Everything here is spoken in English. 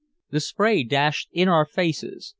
The spray dashed in our faces.